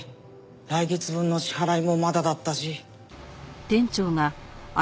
来月分の支払いもまだだったし。